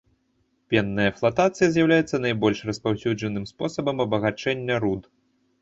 Пенная флатацыя з'яўляецца найбольш распаўсюджаным спосабам абагачэння руд.